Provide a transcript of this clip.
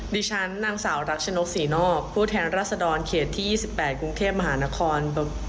นางสาวรัชนกศรีนอกผู้แทนรัศดรเขตที่๒๘กรุงเทพมหานคร